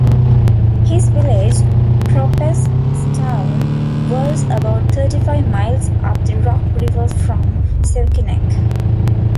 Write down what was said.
His village, Prophetstown, was about thirty-five miles up the Rock River from Saukenuk.